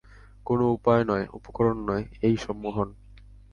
কোনো উপায় নয়, উপকরণ নয়, এই সম্মোহন।